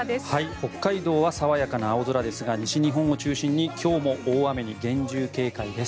北海道は爽やかな青空ですが西日本を中心に今日も大雨に厳重警戒です。